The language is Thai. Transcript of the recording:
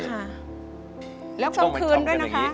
ช่องมันชอบด้วยนะคะ